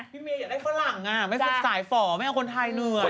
พี่เมย์อยากได้ฝรั่งไม่สายฝ่อไม่เอาคนไทยเหนื่อย